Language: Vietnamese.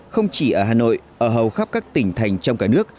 không chỉ ở hà nội ở hầu khắp các tỉnh thành trong cả nước